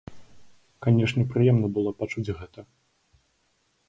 Канешне, прыемна было пачуць гэта.